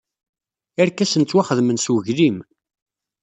Irkasen ttwaxdamen s weglim.